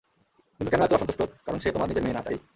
কিন্তু কেন এতো অসন্তোষ্ট, কারণ সে তোমার নিজের মেয়ে না, তাই?